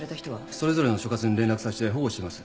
それぞれの所轄に連絡させて保護してます。